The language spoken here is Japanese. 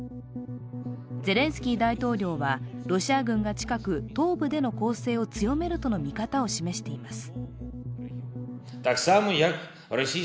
ゼレンスキー大統領は、ロシア軍が近く東部での攻勢を強めるとの見方を示しています。